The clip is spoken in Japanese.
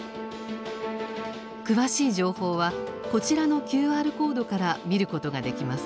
詳しい情報はこちらのＱＲコードから見ることができます。